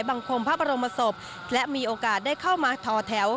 คมพระบรมศพและมีโอกาสได้เข้ามาทอแถว